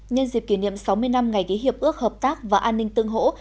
nhân dịp kỷ niệm sáu mươi năm ngày ký hiệp ước hợp tác và an ninh tương hỗ